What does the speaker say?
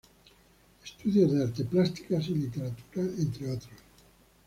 Estudios de Artes Plásticas y Literatura, entre otros.